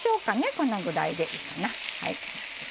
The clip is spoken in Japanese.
こんなぐらいでいいかな。